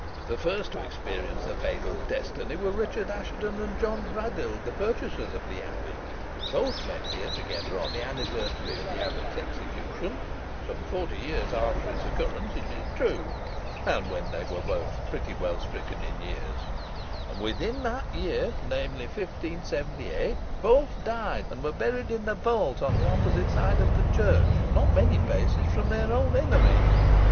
The first to experience the fatal destiny were Richard Assheton and John Braddyll, the purchasers of the Abbey. Both met here together on the anniversary of the abbot's execution some forty years after its occurrence, it is true, and when they were both pretty well stricken in years and within that year, namely 1578, both died, and were buried in the vault on the opposite side of the church, not many paces from their old enemy.